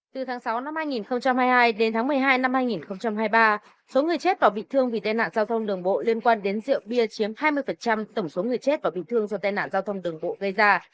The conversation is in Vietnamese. từ tháng sáu năm hai nghìn hai mươi hai đến tháng một mươi hai năm hai nghìn hai mươi ba số người chết và bị thương vì tai nạn giao thông đường bộ liên quan đến rượu bia chiếm hai mươi tổng số người chết và bị thương do tai nạn giao thông đường bộ gây ra